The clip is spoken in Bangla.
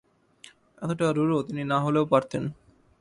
এতটা রূঢ় তিনি না হলেও পারতেন।